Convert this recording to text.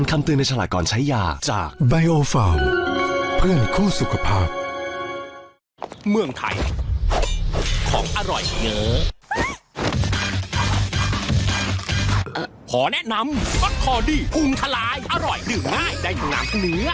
อร่อยดื่มง่ายได้อย่างน้ำเนื้อ